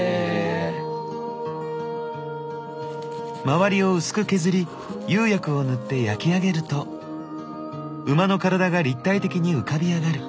⁉周りを薄く削り釉薬を塗って焼き上げると馬の体が立体的に浮かび上がる。